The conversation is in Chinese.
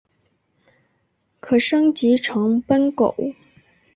可升级成奔狗。